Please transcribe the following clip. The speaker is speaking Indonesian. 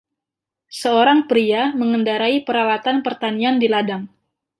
Seorang pria mengendarai peralatan pertanian di ladang.